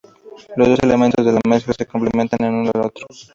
Los dos elementos de la mezcla se complementan el uno al otro.